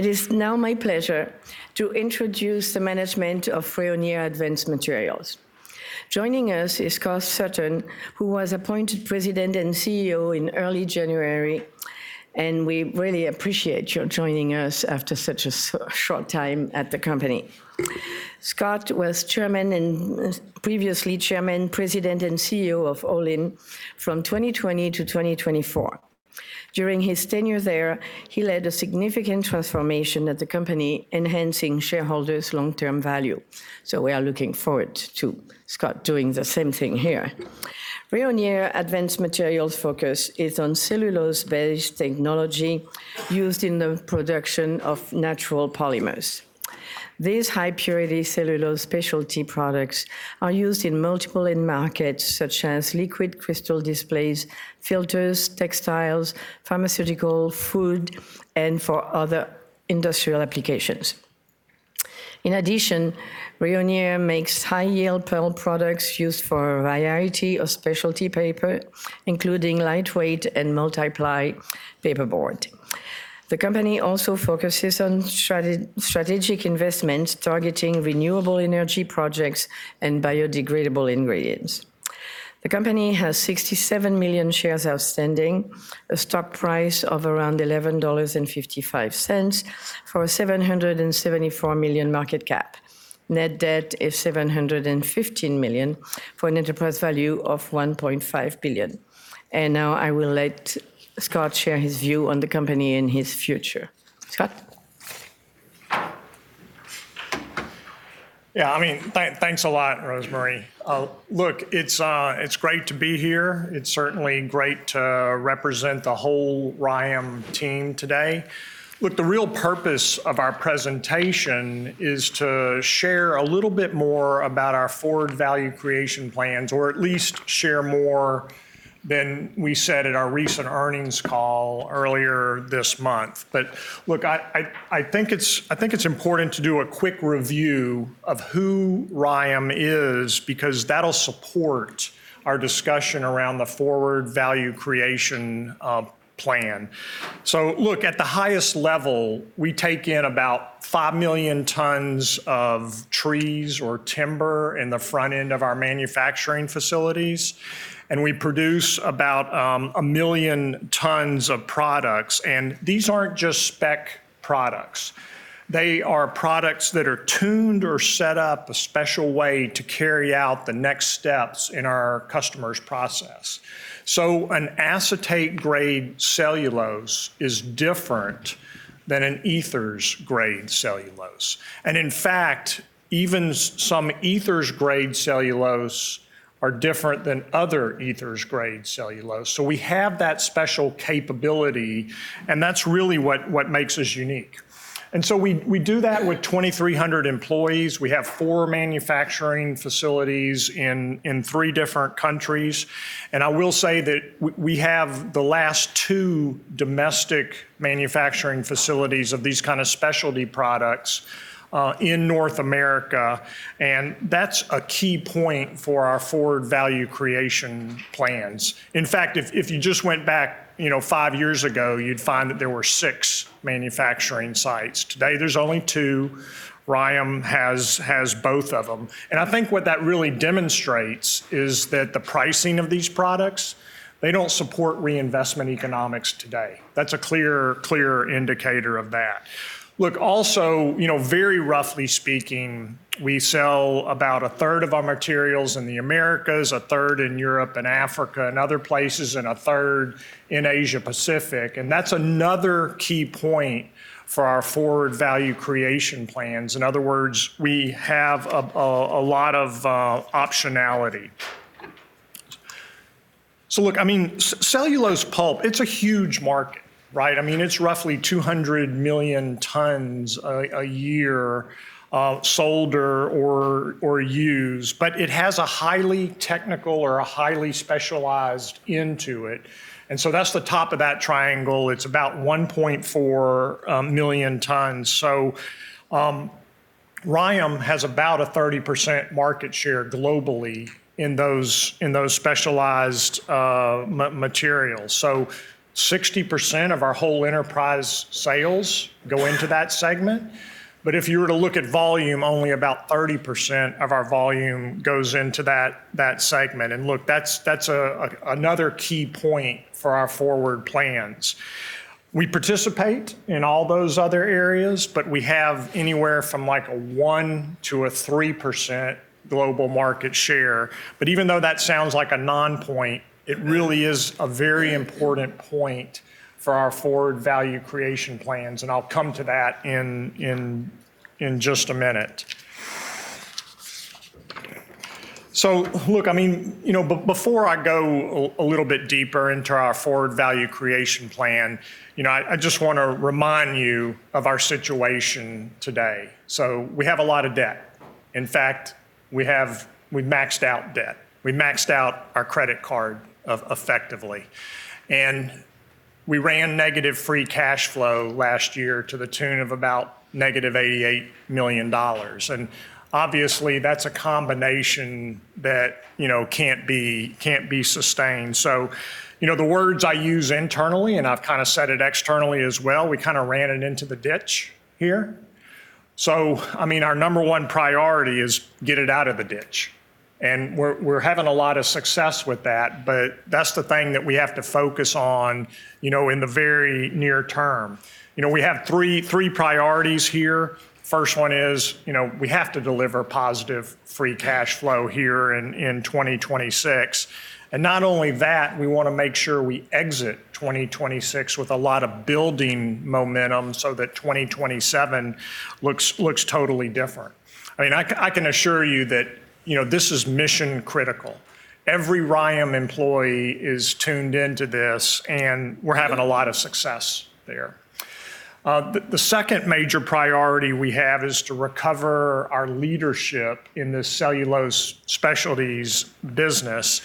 It is now my pleasure to introduce the management of Rayonier Advanced Materials. Joining us is Scott Sutton, who was appointed President and CEO in early January, and we really appreciate your joining us after such a short time at the company. Scott was Chairman and previously Chairman, President, and CEO of Olin from 2020 to 2024. During his tenure there, he led a significant transformation at the company, enhancing shareholders' long-term value. We are looking forward to Scott doing the same thing here. Rayonier Advanced Materials' focus is on cellulose-based technology used in the production of natural polymers. These high-purity cellulose specialty products are used in multiple end markets, such as liquid crystal displays, filters, textiles, pharmaceutical, food, and for other industrial applications. In addition, Rayonier makes high-yield pulp products used for a variety of specialty paper, including lightweight and multi-ply paperboard. The company also focuses on strategic investments targeting renewable energy projects and biodegradable ingredients. The company has 67 million shares outstanding, a stock price of around $11.55 for a $774 million market cap. Net debt is $715 million for an enterprise value of $1.5 billion. Now I will let Scott share his view on the company and his future. Scott? Yeah, I mean, thanks a lot, Rosemarie Morbelli. Look, it's great to be here. It's certainly great to represent the whole RYAM team today. Look, the real purpose of our presentation is to share a little bit more about our forward value creation plans, or at least share more than we said at our recent earnings call earlier this month. Look, I think it's important to do a quick review of who RYAM is because that'll support our discussion around the forward value creation plan. Look, at the highest level, we take in about 5 million tons of trees or timber in the front end of our manufacturing facilities, and we produce about 1 million tons of products, and these aren't just spec products. They are products that are tuned or set up a special way to carry out the next steps in our customers' process. An acetate-grade cellulose is different than an ethers-grade cellulose. In fact, even some ethers-grade cellulose are different than other ethers-grade cellulose. We have that special capability, and that's really what makes us unique. We do that with 2,300 employees. We have four manufacturing facilities in three different countries. I will say that we have the last two domestic manufacturing facilities of these kind of specialty products in North America, and that's a key point for our forward value creation plans. In fact, if you just went back, you know, five years ago, you'd find that there were six manufacturing sites. Today, there's only two. RYAM has both of them. I think what that really demonstrates is that the pricing of these products, they don't support reinvestment economics today. That's a clear indicator of that. Look, also, you know, very roughly speaking, we sell about a third of our materials in the Americas, a third in Europe and Africa and other places, and a third in Asia Pacific, and that's another key point for our forward value creation plans. In other words, we have a lot of optionality. Look, I mean, cellulose pulp, it's a huge market, right? I mean, it's roughly 200 million tons a year sold or used, but it has a highly technical or a highly specialized end to it. That's the top of that triangle. It's about 1.4 million tons. RYAM has about a 30% market share globally in those specialized materials. 60% of our whole enterprise sales go into that segment. If you were to look at volume, only about 30% of our volume goes into that segment. Look, that's another key point for our forward plans. We participate in all those other areas, but we have anywhere from, like, a 1%-3% global market share. Even though that sounds like a non-point, it really is a very important point for our forward value creation plans, and I'll come to that in just a minute. Look, I mean, you know, before I go a little bit deeper into our forward value creation plan, you know, I just wanna remind you of our situation today. We have a lot of debt. In fact, we maxed out debt. We maxed out our credit card effectively. We ran negative free cash flow last year to the tune of about -$88 million. Obviously, that's a combination that, you know, can't be sustained. You know, the words I use internally, and I've kinda said it externally as well, we kinda ran it into the ditch here. I mean, our number one priority is get it out of the ditch, and we're having a lot of success with that. That's the thing that we have to focus on, you know, in the very near term. You know, we have three priorities here. First one is, you know, we have to deliver positive free cash flow here in 2026. Not only that, we wanna make sure we exit 2026 with a lot of building momentum so that 2027 looks totally different. I mean, I can assure you that, you know, this is mission-critical. Every RYAM employee is tuned into this, and we're having a lot of success there. The second major priority we have is to recover our leadership in the Cellulose Specialties business.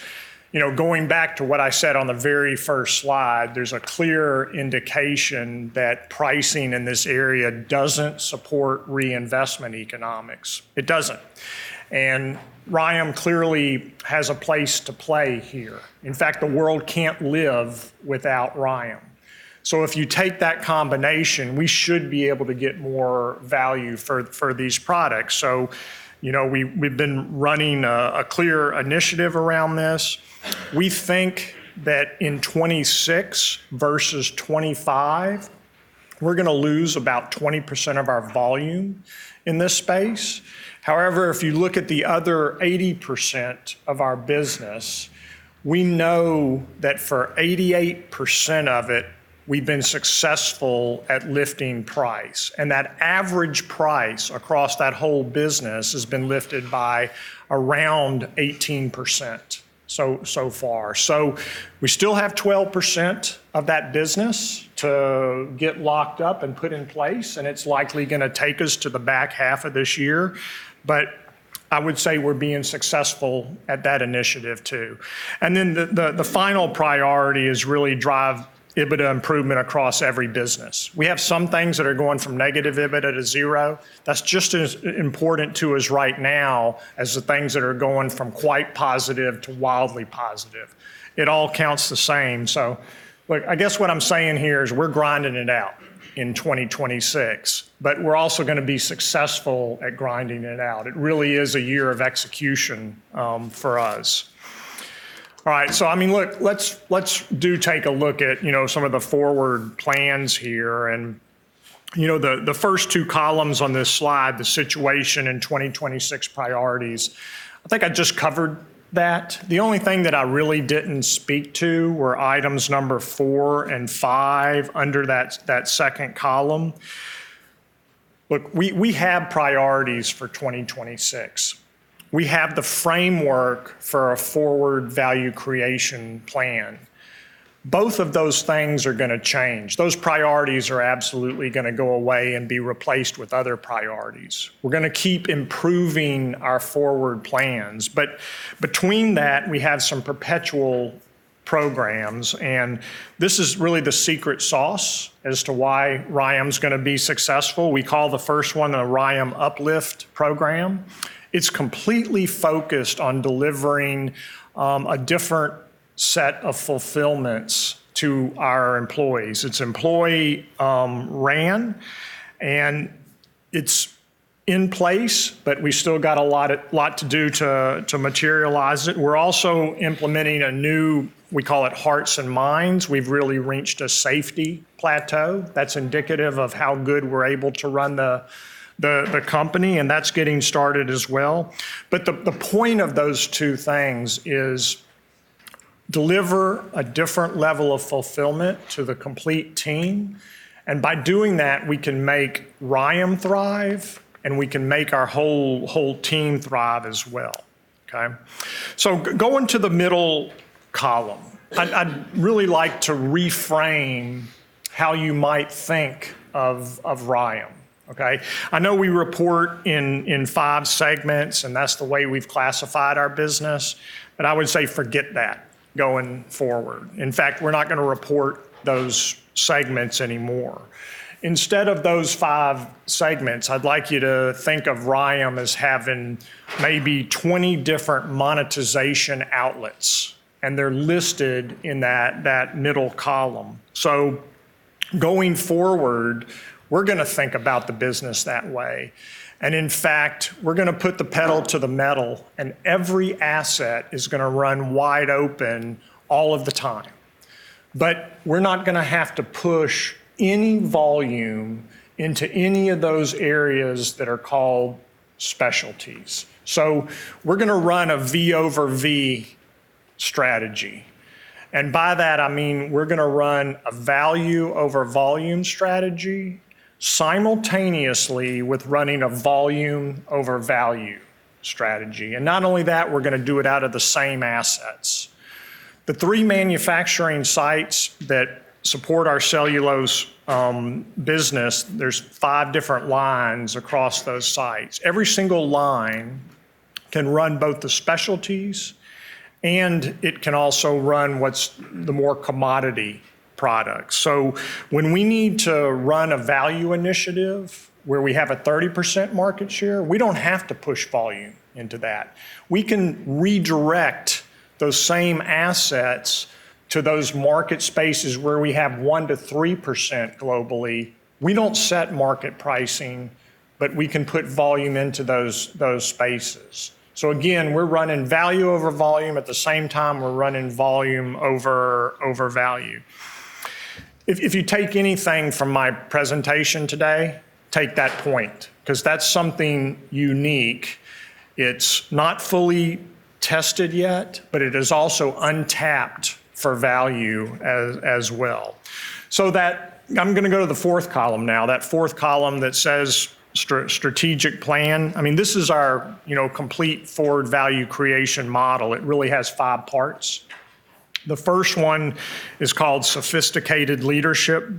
You know, going back to what I said on the very first slide, there's a clear indication that pricing in this area doesn't support reinvestment economics. It doesn't. RYAM clearly has a place to play here. In fact, the world can't live without RYAM. If you take that combination, we should be able to get more value for these products. You know, we've been running a clear initiative around this. We think that in 2026 versus 2025, we're gonna lose about 20% of our volume in this space. However, if you look at the other 80% of our business, we know that for 88% of it, we've been successful at lifting price, and that average price across that whole business has been lifted by around 18% so far. We still have 12% of that business to get locked up and put in place, and it's likely gonna take us to the back half of this year. I would say we're being successful at that initiative too. The final priority is really drive EBITDA improvement across every business. We have some things that are going from negative EBITDA to zero. That's just as important to us right now as the things that are going from quite positive to wildly positive. It all counts the same. Look, I guess what I'm saying here is we're grinding it out in 2026, but we're also gonna be successful at grinding it out. It really is a year of execution for us. All right, I mean, look, let's do take a look at, you know, some of the forward plans here and, you know, the first two columns on this slide, the situation in 2026 priorities. I think I just covered that. The only thing that I really didn't speak to were items number 4 and 5 under that second column. Look, we have priorities for 2026. We have the framework for a forward value creation plan. Both of those things are gonna change. Those priorities are absolutely gonna go away and be replaced with other priorities. We're gonna keep improving our forward plans. Between that, we have some perpetual programs, and this is really the secret sauce as to why RYAM's gonna be successful. We call the first one the RYAM Uplift program. It's completely focused on delivering a different set of fulfillments to our employees. It's employee-run, and it's in place, but we still got a lot to do to materialize it. We're also implementing a new, we call it Hearts & Minds. We've really reached a safety plateau that's indicative of how good we're able to run the company, and that's getting started as well. The point of those two things is deliver a different level of fulfillment to the complete team, and by doing that, we can make RYAM thrive, and we can make our whole team thrive as well. Okay? Going to the middle column, I'd really like to reframe how you might think of RYAM. Okay? I know we report in five segments, and that's the way we've classified our business, but I would say forget that going forward. In fact, we're not gonna report those segments anymore. Instead of those five segments, I'd like you to think of RYAM as having maybe 20 different monetization outlets, and they're listed in that middle column. Going forward, we're gonna think about the business that way, and in fact, we're gonna put the pedal to the metal, and every asset is gonna run wide open all of the time. We're not gonna have to push any volume into any of those areas that are called specialties. We're gonna run a V over V strategy, and by that I mean we're gonna run a value over volume strategy simultaneously with running a volume over value strategy. Not only that, we're gonna do it out of the same assets. The three manufacturing sites that support our cellulose business, there's five different lines across those sites. Every single line can run both the specialties. And it can also run what's the more commodity products. When we need to run a value initiative where we have a 30% market share, we don't have to push volume into that. We can redirect those same assets to those market spaces where we have 1%-3% globally. We don't set market pricing, but we can put volume into those spaces. Again, we're running value over volume. At the same time, we're running volume over value. If you take anything from my presentation today, take that point, 'cause that's something unique. It's not fully tested yet, but it is also untapped for value as well. That. I'm gonna go to the fourth column now. That fourth column that says strategic plan. I mean, this is our, you know, complete forward value creation model. It really has five parts. The first one is called sophisticated leadership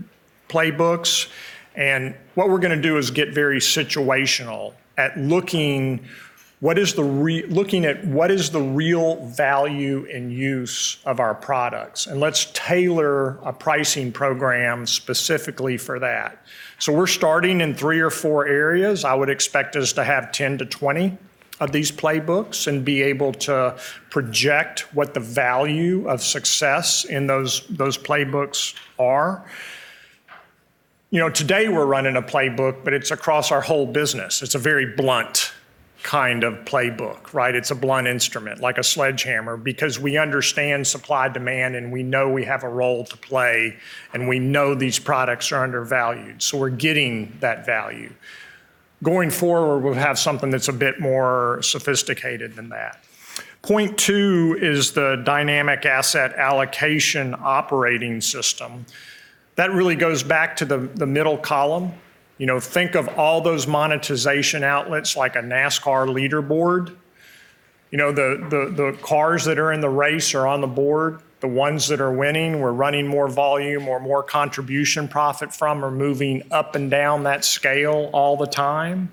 playbooks, and what we're gonna do is get very situational at looking at what is the real value and use of our products, and let's tailor a pricing program specifically for that. We're starting in 3 or 4 areas. I would expect us to have 10-20 of these playbooks and be able to project what the value of success in those playbooks are. You know, today we're running a playbook, but it's across our whole business. It's a very blunt kind of playbook, right? It's a blunt instrument, like a sledgehammer, because we understand supply-demand, and we know we have a role to play, and we know these products are undervalued, so we're getting that value. Going forward, we'll have something that's a bit more sophisticated than that. Point two is the dynamic asset allocation operating system. That really goes back to the middle column. You know, think of all those monetization outlets like a NASCAR leaderboard. You know, the cars that are in the race or on the board, the ones that are winning, we're running more volume or more contribution profit from or moving up and down that scale all the time.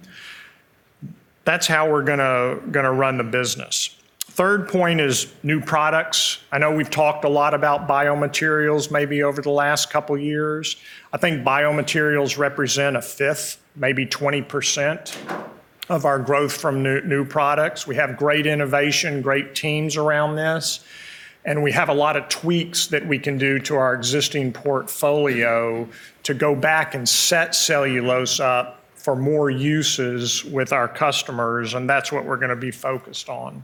That's how we're gonna run the business. Third point is new products. I know we've talked a lot about biomaterials maybe over the last couple years. I think biomaterials represent a fifth, maybe 20% of our growth from new products. We have great innovation, great teams around this, and we have a lot of tweaks that we can do to our existing portfolio to go back and set cellulose up for more uses with our customers, and that's what we're gonna be focused on.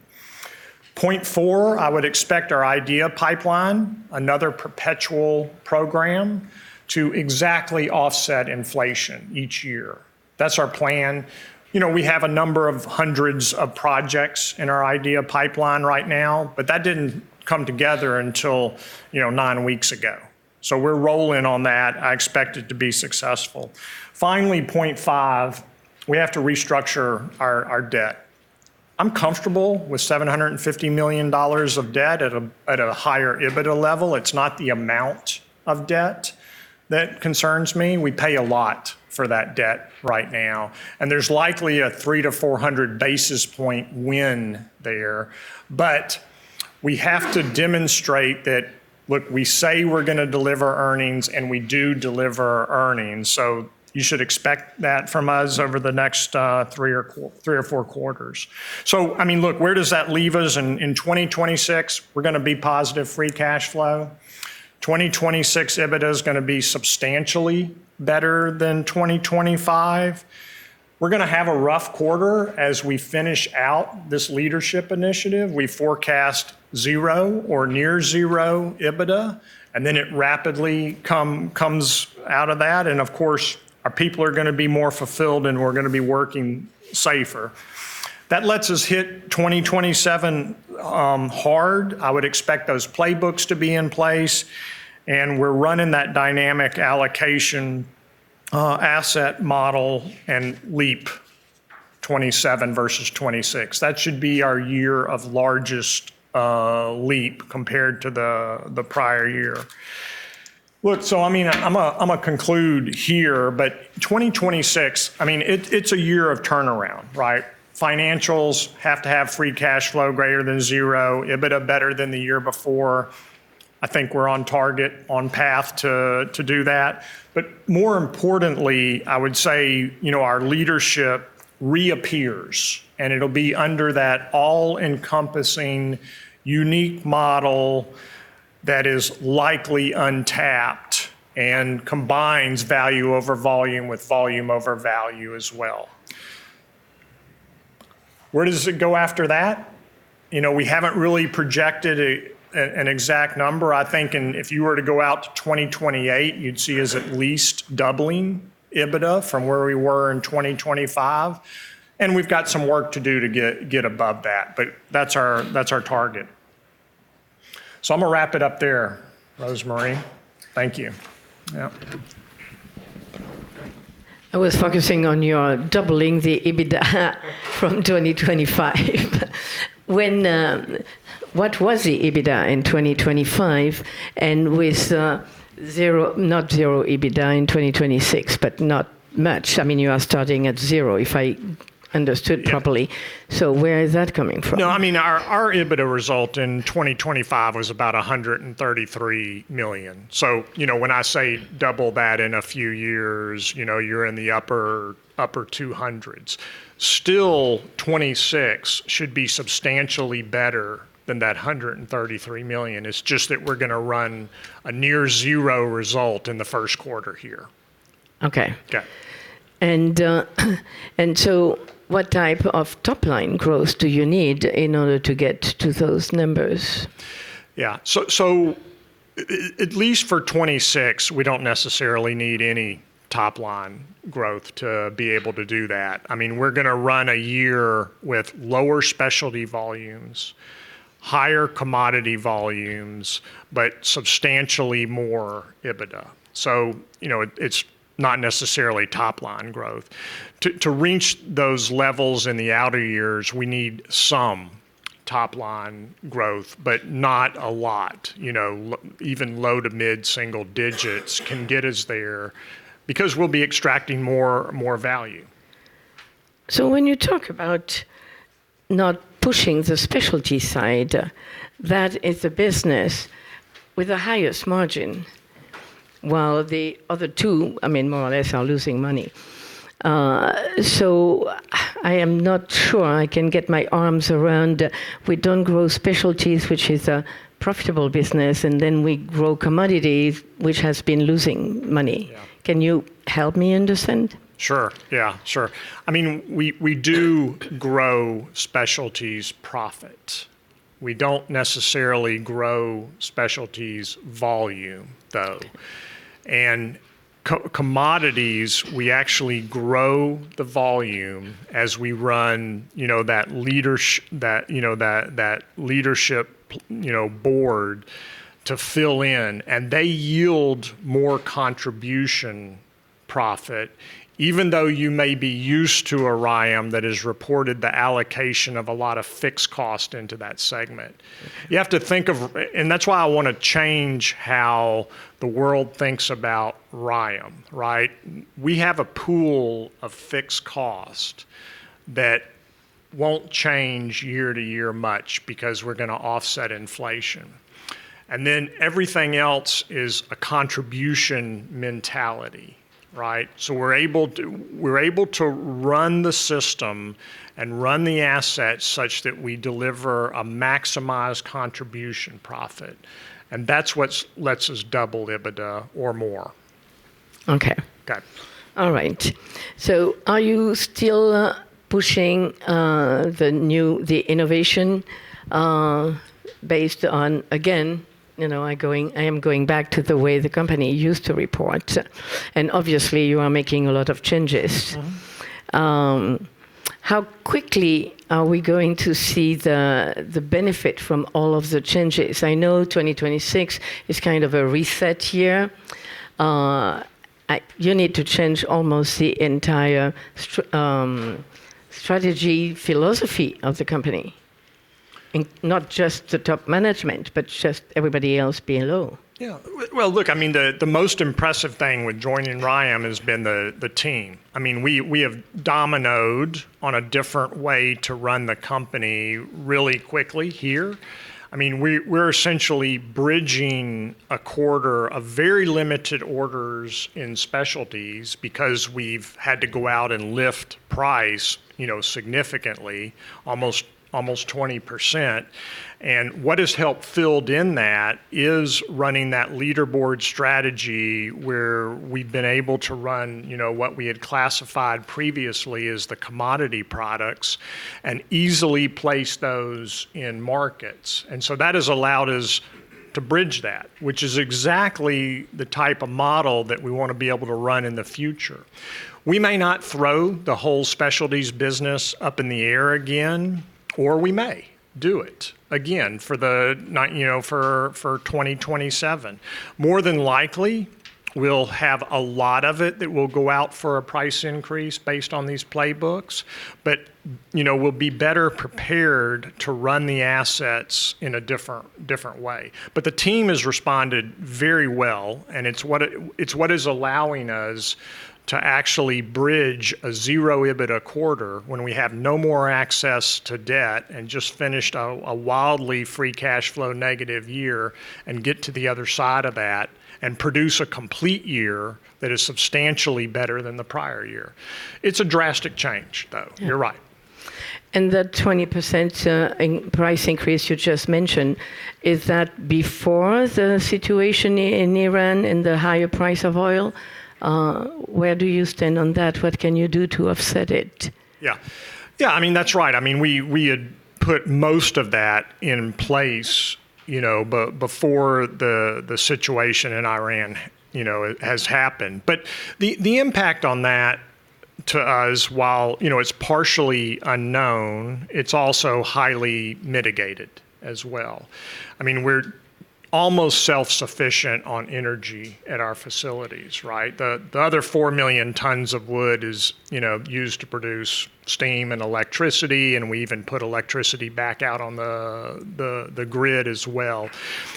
Point four, I would expect our idea pipeline, another perpetual program, to exactly offset inflation each year. That's our plan. You know, we have a number of hundreds of projects in our idea pipeline right now, but that didn't come together until, you know, nine weeks ago. So we're rolling on that. I expect it to be successful. Finally, point five, we have to restructure our debt. I'm comfortable with $750 million of debt at a higher EBITDA level. It's not the amount of debt that concerns me. We pay a lot for that debt right now, and there's likely a 300-400 basis point win there. We have to demonstrate that, look, we say we're gonna deliver earnings, and we do deliver earnings. You should expect that from us over the next three or four quarters. I mean, look, where does that leave us in 2026? We're gonna be positive free cash flow. 2026 EBITDA is gonna be substantially better than 2025. We're gonna have a rough quarter as we finish out this leadership initiative. We forecast zero or near zero EBITDA, and then it rapidly comes out of that. Of course, our people are gonna be more fulfilled, and we're gonna be working safer. That lets us hit 2027 hard. I would expect those playbooks to be in place, and we're running that dynamic allocation asset model and leap 27 versus 26. That should be our year of largest leap compared to the prior year. Look, I mean, I'ma conclude here, but 2026, I mean, it's a year of turnaround, right? Financials have to have free cash flow greater than zero, EBITDA better than the year before. I think we're on target, on path to do that. More importantly, I would say, you know, our leadership reappears, and it'll be under that all-encompassing unique model that is likely untapped and combines value over volume with volume over value as well. Where does it go after that? You know, we haven't really projected an exact number. I think if you were to go out to 2028, you'd see us at least doubling EBITDA from where we were in 2025, and we've got some work to do to get above that. That's our target. I'm gonna wrap it up there, Rosemarie. Thank you. Yep. I was focusing on your doubling the EBITDA from 2025. What was the EBITDA in 2025 and with not zero EBITDA in 2026, but not much. I mean, you are starting at zero if I understood properly. Yeah. Where is that coming from? No, I mean, our EBITDA result in 2025 was about $133 million. You know, when I say double that in a few years, you know, you're in the upper 200s. Still, 2026 should be substantially better than that $133 million. It's just that we're gonna run a near zero result in the first quarter here. Okay. Okay. What type of top line growth do you need in order to get to those numbers? Yeah. At least for 2026, we don't necessarily need any top line growth to be able to do that. I mean, we're gonna run a year with lower specialty volumes, higher commodity volumes, but substantially more EBITDA. You know, it's not necessarily top line growth. To reach those levels in the outer years, we need some top line growth, but not a lot. You know, even low- to mid-single digits can get us there because we'll be extracting more value. When you talk about not pushing the specialty side, that is a business with the highest margin, while the other two, I mean, more or less are losing money. I am not sure I can get my arms around, we don't grow specialties, which is a profitable business, and then we grow commodity, which has been losing money. Yeah. Can you help me understand? Sure. Yeah, sure. I mean, we do grow specialties profit. We don't necessarily grow specialties volume, though. Commodities, we actually grow the volume as we run, you know, that leadership, you know, board to fill in, and they yield more contribution profit even though you may be used to a RYAM that has reported the allocation of a lot of fixed cost into that segment. You have to think of. That's why I wanna change how the world thinks about RYAM, right? We have a pool of fixed cost that won't change year to year much because we're gonna offset inflation. Then everything else is a contribution mentality, right? We're able to run the system and run the assets such that we deliver a maximized contribution profit, and that's what lets us double EBITDA or more. Okay. Okay. All right. Are you still pushing the new the innovation based on, again, you know, I am going back to the way the company used to report, and obviously you are making a lot of changes. Mm-hmm. How quickly are we going to see the benefit from all of the changes? I know 2026 is kind of a reset year. You need to change almost the entire strategy philosophy of the company. Not just the top management, but just everybody else below. Yeah. Well, look, I mean, the most impressive thing with joining RYAM has been the team. I mean, we have doubled down on a different way to run the company really quickly here. I mean, we're essentially bridging a quarter of very limited orders in specialties because we've had to go out and lift price, you know, significantly, almost 20%. What has helped fill in that is running that value over volume strategy where we've been able to run, you know, what we had classified previously as the commodity products and easily place those in markets. That has allowed us to bridge that, which is exactly the type of model that we wanna be able to run in the future. We may not throw the whole specialties business up in the air again, or we may do it again for the nine. You know, for 2027. More than likely, we'll have a lot of it that will go out for a price increase based on these playbooks. You know, we'll be better prepared to run the assets in a different way. The team has responded very well, and it's what is allowing us to actually bridge a zero EBITDA quarter when we have no more access to debt and just finished a wildly free cash flow negative year and get to the other side of that and produce a complete year that is substantially better than the prior year. It's a drastic change, though. Yeah. You're right. The 20% price increase you just mentioned, is that before the situation in Iran and the higher price of oil? Where do you stand on that? What can you do to offset it? Yeah. Yeah, I mean, that's right. I mean, we had put most of that in place, you know, before the situation in Iran, you know, it has happened. The impact on that to us, while, you know, it's partially unknown, it's also highly mitigated as well. I mean, we're almost self-sufficient on energy at our facilities, right? The other 4 million tons of wood is, you know, used to produce steam and electricity, and we even put electricity back out on the grid as well.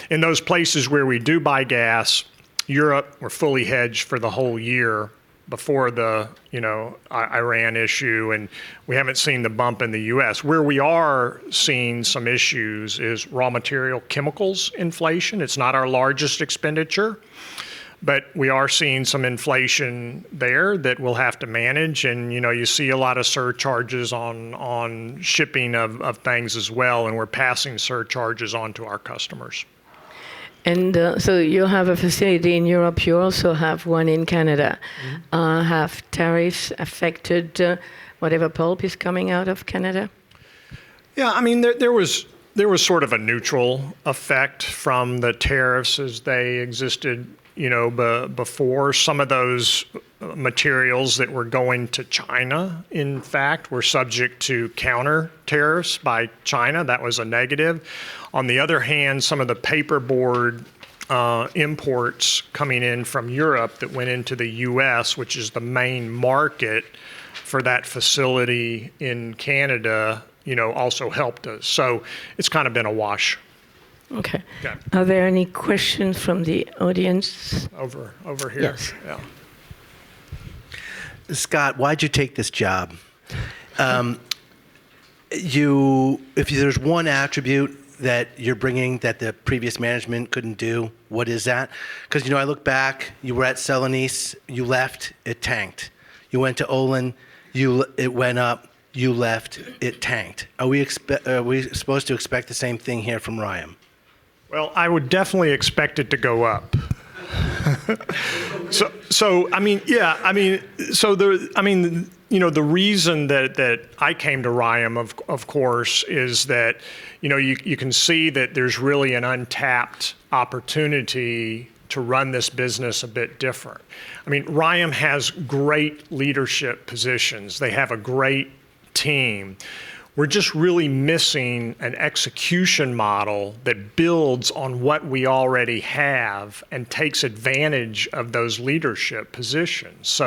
In those places where we do buy gas, Europe, we're fully hedged for the whole year before the, you know, Iran issue, and we haven't seen the bump in the U.S. Where we are seeing some issues is raw material chemicals inflation. It's not our largest expenditure, but we are seeing some inflation there that we'll have to manage and, you know, you see a lot of surcharges on shipping of things as well, and we're passing surcharges on to our customers. You have a facility in Europe. You also have one in Canada. Mm-hmm. Have tariffs affected whatever pulp is coming out of Canada? Yeah, I mean, there was sort of a neutral effect from the tariffs as they existed, you know, before. Some of those materials that were going to China, in fact, were subject to counter-tariffs by China. That was a negative. On the other hand, some of the paperboard imports coming in from Europe that went into the U.S., which is the main market for that facility in Canada, you know, also helped us. It's kind of been a wash. Okay. Yeah. Are there any questions from the audience? Over here. Yes. Yeah. Scott, why'd you take this job? If there's one attribute that you're bringing that the previous management couldn't do, what is that? 'Cause, you know, I look back, you were at Celanese, you left, it tanked. You went to Olin, it went up. You left, it tanked. Are we supposed to expect the same thing here from RYAM? Well, I would definitely expect it to go up. I mean, yeah, I mean, the reason that I came to RYAM of course is that, you know, you can see that there's really an untapped opportunity to run this business a bit different. I mean, RYAM has great leadership positions. They have a great team. We're just really missing an execution model that builds on what we already have and takes advantage of those leadership positions.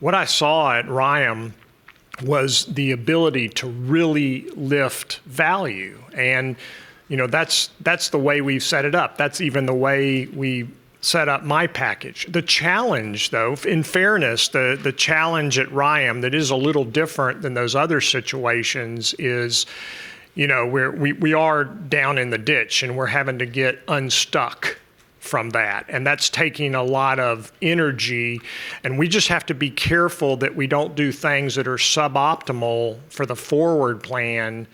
What I saw at RYAM was the ability to really lift value, and, you know, that's the way we've set it up. That's even the way we set up my package. The challenge, though, in fairness, the challenge at RYAM that is a little different than those other situations is, you know, we are down in the ditch, and we're having to get unstuck from that, and that's taking a lot of energy, and we just have to be careful that we don't do things that are suboptimal for the forward plan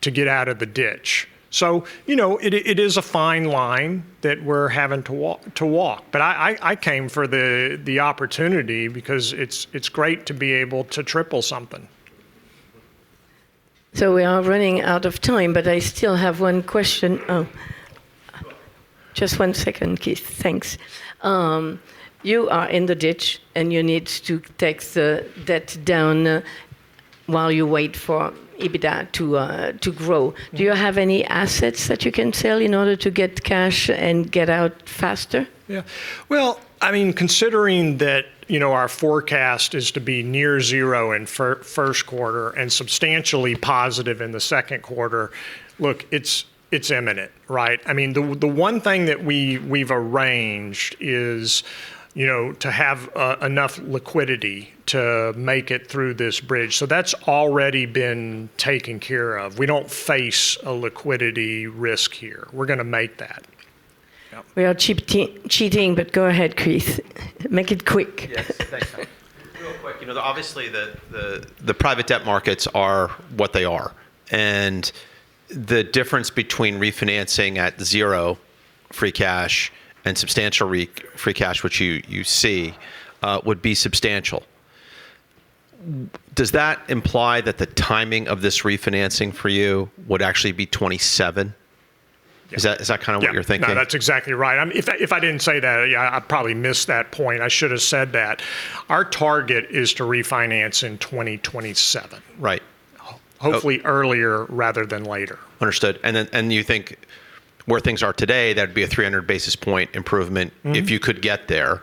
to get out of the ditch. You know, it is a fine line that we're having to walk, but I came for the opportunity because it's great to be able to triple something. We are running out of time, but I still have one question. Oh, just one second, Keith. Thanks. You are in the ditch, and you need to take the debt down, while you wait for EBITDA to grow. Yeah. Do you have any assets that you can sell in order to get cash and get out faster? Yeah. Well, I mean, considering that, you know, our forecast is to be near zero in first quarter and substantially positive in the second quarter, look, it's imminent, right? I mean, the one thing that we've arranged is, you know, to have enough liquidity to make it through this bridge, so that's already been taken care of. We don't face a liquidity risk here. We're gonna make that. Yep. Go ahead, Keith. Make it quick. Yes. Thanks. Real quick. You know, obviously the private debt markets are what they are, and the difference between refinancing at zero free cash and substantial free cash, which you see would be substantial. Does that imply that the timing of this refinancing for you would actually be 2027? Yeah. Is that kind of what you're thinking? Yeah. No, that's exactly right. I mean, if I didn't say that, yeah, I probably missed that point. I should have said that. Our target is to refinance in 2027. Right. Hopefully earlier rather than later. Understood. You think where things are today, that'd be a 300 basis points improvement. Mm-hmm If you could get there.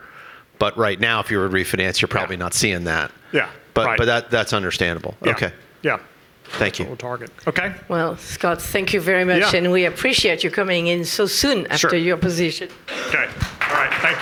Right now, if you were to refinance, you're probably not seeing that. Yeah. Right. That's understandable. Yeah. Okay. Yeah. Thank you. That's our target. Okay. Well, Scott, thank you very much. Yeah. We appreciate you coming in so soon after. Sure your position. Okay. All right. Thanks.